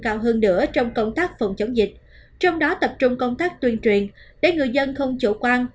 cao hơn nữa trong công tác phòng chống dịch trong đó tập trung công tác tuyên truyền để người dân không chủ quan